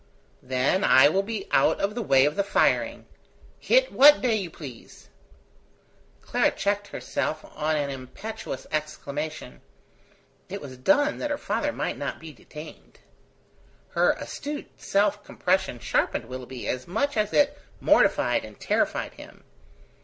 "Then I will be out of the way of the firing. Hit what day you please." Clara checked herself on an impetuous exclamation. It was done that her father might not be detained. Her astute self compression sharpened Willoughby as much as it mortified and terrified him.